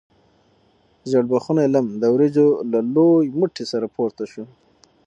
ژیړبخون لم د وریجو له لوی موټي سره پورته شو.